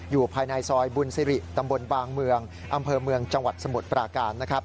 อยู่ภายในซอยบุญสิริตำบลบางเมืองอำเภอเมืองจังหวัดสมุทรปราการนะครับ